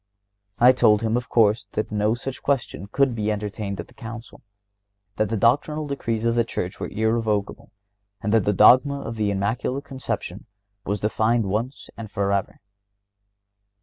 I told him, of course, that no such question could be entertained in the Council; that the doctrinal decrees of the Church were irrevocable, and that the dogma of the Immaculate Conception was defined once and forever.